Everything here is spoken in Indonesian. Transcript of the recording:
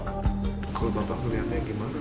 kalau bapak melihatnya gimana